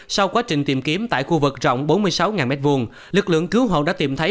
sau quá trình tìm kiếm tại khu vực rộng bốn mươi sáu m hai lực lượng cứu hộ đã tìm thấy